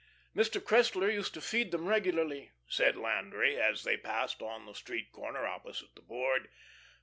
"Mr. Cressler used to feed them regularly," said Landry, as they paused on the street corner opposite the Board.